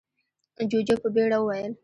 جُوجُو په بيړه وويل: